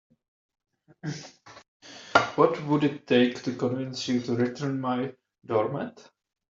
What would it take to convince you to return my doormat?